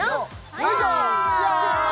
よいしょ！